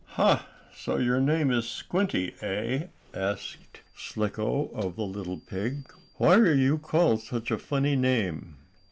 "Ha! So your name is Squinty, eh?" asked Slicko, of the little pig. "Why are you called such a funny name?"